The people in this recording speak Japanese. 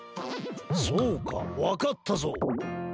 そうかわかったぞ。